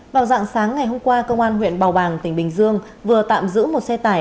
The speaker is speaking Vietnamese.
vào dạng sáng ngày hôm qua công an huyện bào bàng tỉnh bình dương vừa tạm giữ một xe tải